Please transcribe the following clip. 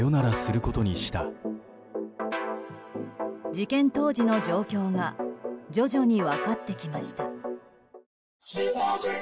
事件当時の状況が徐々に分かってきました。